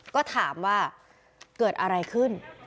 ก็ถามว่าเกิดอะไรขึ้น